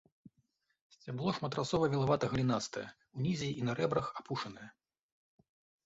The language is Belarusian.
Сцябло шматразова вілавата-галінастае, унізе і на рэбрах апушанае.